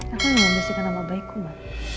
aku yang memastikan sama baikku ma